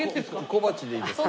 小鉢でいいです。